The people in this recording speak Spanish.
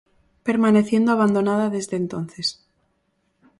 Permaneciendo abandonada desde entonces.